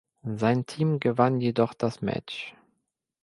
Sein Team gewann jedoch das Match.